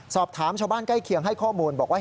ชาวบ้านใกล้เคียงให้ข้อมูลบอกว่า